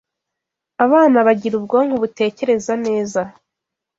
Abana bagira ubwonko butekereza neza